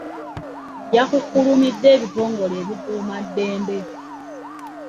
Yakukkulumidde ebitongole ebikumaddembe.